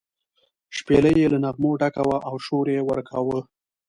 شپېلۍ یې له نغمو ډکه وه او شور یې ورکاوه.